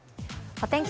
お天気